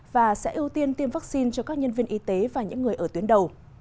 và sẽ ưu tiên tiêm vaccine cho các nhân viên y tế và những người ở tuyến đầu